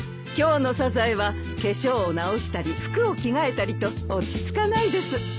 今日のサザエは化粧を直したり服を着替えたりと落ち着かないです。